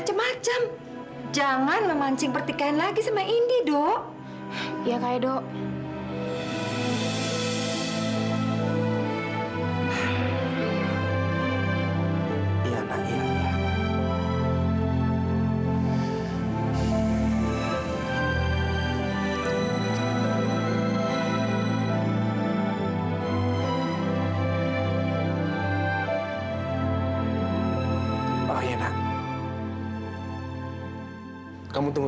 sampai jumpa di video selanjutnya